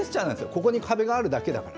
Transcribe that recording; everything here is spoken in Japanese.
ここに壁があるだけだから。